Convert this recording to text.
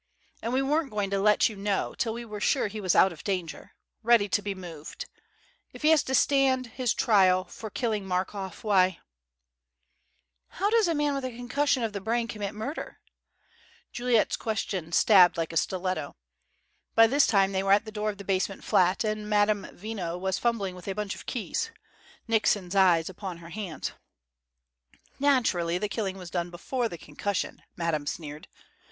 And we weren't going to let you know till we were sure he was out of danger ready to be moved. If he has to stand his trial for killing Markoff, why " "How does a man with concussion of the brain commit murder?" Juliet's question stabbed like a stiletto. By this time they were at the door of the basement flat, and Madame Veno was fumbling with a bunch of keys, Nickson's eyes upon her hands. "Naturally the killing was done before the concussion," Madame sneered.